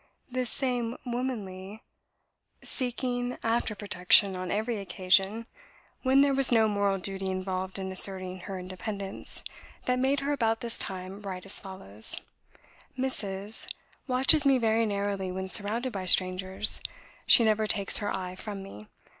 This slight action arose out of the same womanly seeking after protection on every occasion, when there was no moral duty involved in asserting her independence, that made her about this time write as follows: "Mrs. watches me very narrowly when surrounded by strangers. She never takes her eye from me.